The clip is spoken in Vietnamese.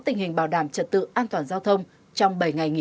anh em cho dùng